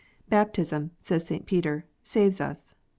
"Baptism," says St. Peter, "saves us."